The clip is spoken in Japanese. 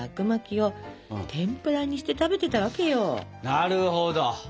なるほど！